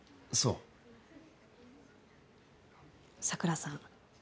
桜さん。